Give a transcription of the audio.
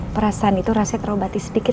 perasaan itu rasa terobati sedikit